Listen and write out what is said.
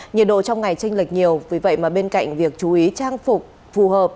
nhiệt độ trong ngày tranh lệch nhiều vì vậy mà bên cạnh việc chú ý trang phục phù hợp